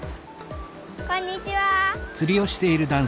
こんにちは。